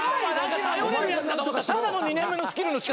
頼れるやつかと思ったらただの２年目のスキルのしか。